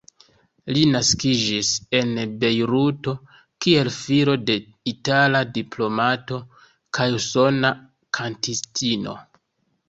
Li naskiĝis en Bejruto kiel filo de itala diplomato kaj usona kantistino.